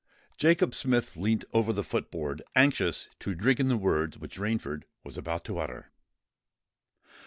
Jacob Smith leant over the foot board, anxious to drink in the words which Rainford was about to utter.